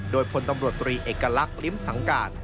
โดยพลตำรวจตรีเอกลักษณ์ลิ้มสังการ